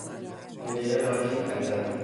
پنجره را کیپ کردم.